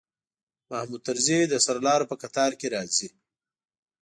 محمود طرزی د سرلارو په قطار کې راځي.